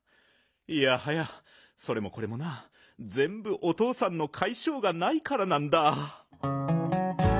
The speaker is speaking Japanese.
いやはやそれもこれもなぜんぶおとうさんのかいしょうがないからなんだ。